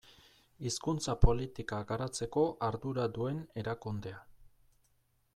Hizkuntza politika garatzeko ardura duen erakundea.